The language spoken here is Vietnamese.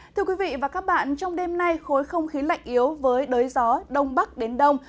thưa quý vị và các bạn trong đêm nay khối không khí lạnh yếu với đới gió đông bắc đến đông